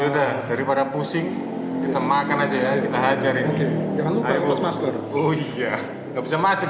udah daripada pusing kita makan aja ya kita hajar ini jangan lupa ulas masker oh iya nggak bisa masuk